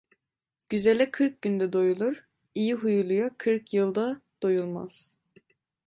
Güzele kırk günde doyulur, iyi huyluya kırk yılda doyulmaz.